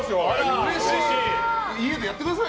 うれしい！